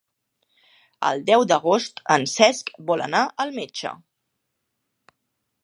El deu d'agost en Cesc vol anar al metge.